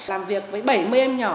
làm việc với bảy mươi em nhỏ